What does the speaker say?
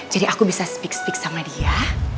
jadi aku bisa speak speak sama dia